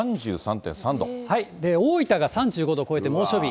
大分が３５度を超えて猛暑日。